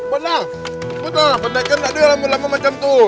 kemudian pendekar tidak ada yang berlama seperti itu